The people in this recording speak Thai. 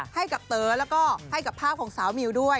ให้กับเต๋อแล้วก็ให้กับภาพของสาวมิวด้วย